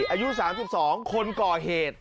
อายุ๓๒คนก่อเหตุ